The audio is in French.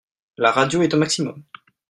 La radio est au maximum.